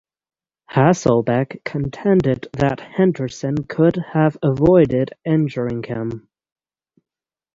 Hasselbeck contended that Henderson could have avoided injuring him.